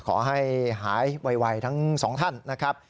ขอให้หายวัยทั้ง๒ท่านนะครับ